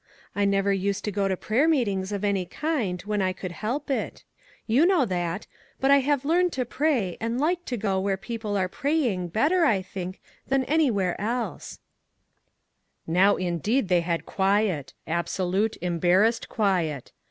I never used to go to prayer meetings of any kind, when I could help it. You know that, but I have learned to pray, and like to go where people are praying, better, I think, than anywhere else." 248 ONE COMMONPLACE DAY. Now, indeed, they had quiet — absolute, embarrassed quiet.